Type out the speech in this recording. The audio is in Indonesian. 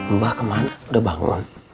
mbak kemana udah bangun